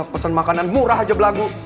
pesan makanan murah aja belagu